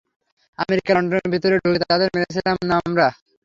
America, লন্ডনের ভিতরে ঢুকে তাদের মেরেছিলাম না আমরা?